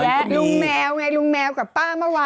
และลุงแมวไงลุงแมวกับป้าเมื่อวาน